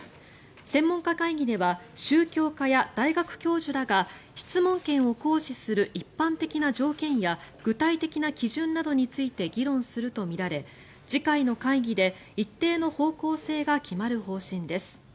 専門家会議では宗教家や大学教授らが質問権を行使する一般的な条件や具体的な基準などについて議論するとみられ次回の会議で一定の方向性が決まる方針です。